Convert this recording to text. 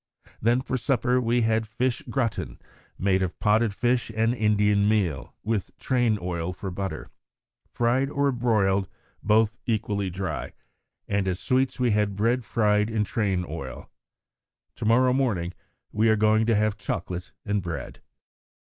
Then for supper we had fish 'gratin,' made of potted fish and Indian meal, with train oil for butter fried or boiled both equally dry and as sweets we had bread fried in train oil. To morrow morning we are going to have chocolate and bread."